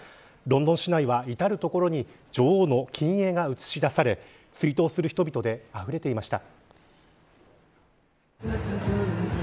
ロンドン市内は至る所に女王の近影が映し出され追悼する人々であふれていました。